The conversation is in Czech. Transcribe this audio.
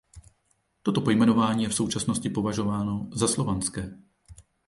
Toto pojmenování je v současnosti považováno za slovanské.